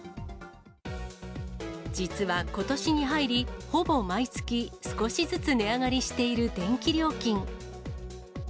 実はことしに入り、ほぼ毎月、少しずつ値上がりしている電気料金。